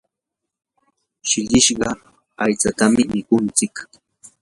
shillishqa aytsatam mikuntsik.